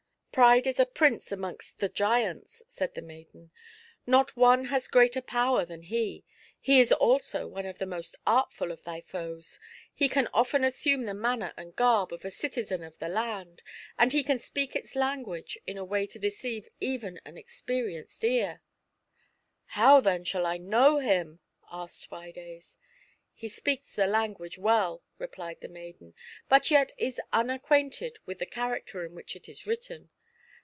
'*' Piide is a prince amongst the giants," said the maiden ;" not one has gi*eater power than he. He is also one of the most aitful of thy foes ; he can often assume the manner and garb of a citizen of thy land, and he can speak its language in a way to deceive even an experienced ear. " How then shall I know him V asked Fides. " He speaks the language well,'* replied the maiden, "but yet is unacquainted with the character in which it is written.